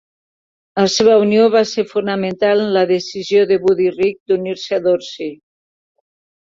La seva unió va ser fonamental en la decisió de Buddy Rich d'unir-se a Dorsey.